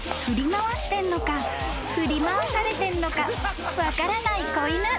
［振り回してんのか振り回されてんのか分からない子犬］